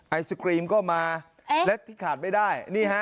ไอศกรีมก็มาและที่ขาดไม่ได้นี่ฮะ